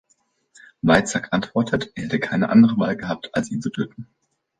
Weizak antwortet, er hätte keine andere Wahl gehabt, als ihn zu töten.